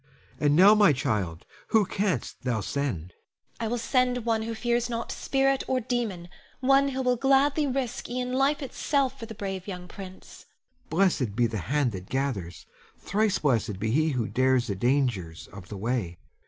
And now, my child, who canst thou send? Ione. I will send one who fears not spirit or demon; one who will gladly risk e'en life itself for the brave young prince. Helon. Blessed be the hand that gathers, thrice blessed be he who dares the dangers of the way.